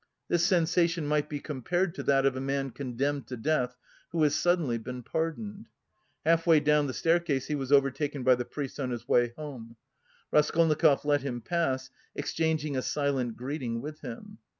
This sensation might be compared to that of a man condemned to death who has suddenly been pardoned. Halfway down the staircase he was overtaken by the priest on his way home; Raskolnikov let him pass, exchanging a silent greeting with him.